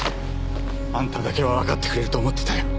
あんただけは分かってくれると思ってたよ。